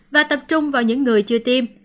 và tập trung vào những người chưa tiêm